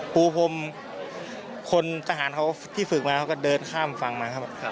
ปูพรมคนทหารเขาที่ฝึกมาเขาก็เดินข้ามฝั่งมาครับ